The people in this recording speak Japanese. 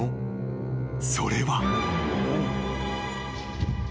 ［それは］